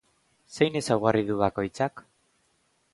Zein ezaugarri du bakoitzak?